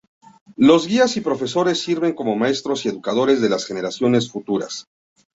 Los guías y profesores sirven como maestros y educadores de las generaciones futuras.